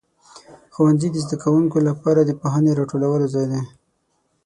ښوونځي د زده کوونکو لپاره د پوهنې د راټولو ځای دی.